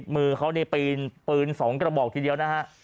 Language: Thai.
มือเขานี่ปืน๒กระบอกทีเดียวนะฮะ